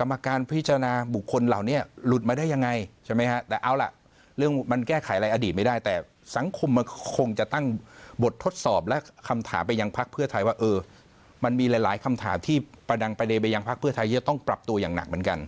กรรมการพิจารณาบุคคลเหล่านี้หลุดมาได้ยังไงใช่ไหมฮะแต่เอาล่ะเรื่องมันแก้ไขอะไรอดีตไม่ได้แต่สังคมมันคงจะตั้งบททดสอบและคำถามไปยังพักเพื่อไทยว่าเออมันมีหลายคำถามที่ประดังไปเลยไปยังพักเพื่อไทยจะต้องปรับตัวอย่างหนักเหมือนกัน